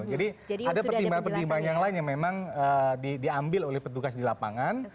jadi ada pertimbangan pertimbangan yang lain yang memang diambil oleh petugas di lapangan